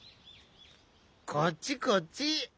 こっちこっち！